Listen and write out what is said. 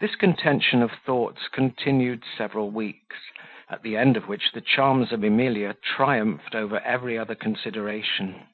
This contention of thoughts continued several weeks, at the end of which the charms of Emilia triumphed over every other consideration.